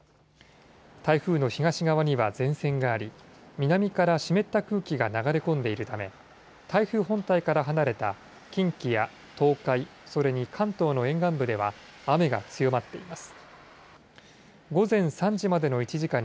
台風の東側には前線があり南から湿った空気が流れ込んでいるため台風本体から離れた近畿や東海それに関東の沿岸部では雨が強まっています。